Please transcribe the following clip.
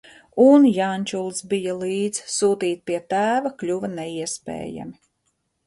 Un Jančulis bija līdz, sūtīt pie tēva kļuva neiespējami.